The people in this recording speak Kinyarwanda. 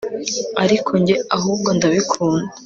ariko njye, ahubwo ndabikunda